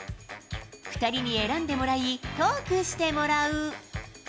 ２人に選んでもらい、トークしてもらう。